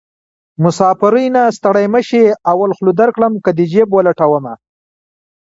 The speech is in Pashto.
مسافرۍ نه ستړی مشې اول خوله درکړم که دې جېب ولټومه